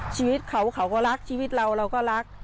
ชีวิตเขาเขาก็รักชีวิตเราเราก็รัก